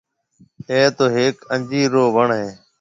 اَي تو هيڪ انجير رو وڻ هيَ۔